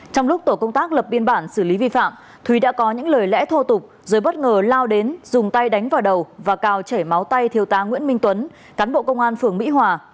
trong lúc tổ công tác lập biên bản xử lý vi phạm thúy đã có những lời lẽ thô tục rồi bất ngờ lao đến dùng tay đánh vào đầu và cào chảy máu tay thiếu tá nguyễn minh tuấn cán bộ công an phường mỹ hòa